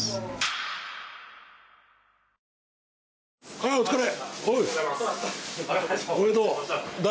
はいお疲れ。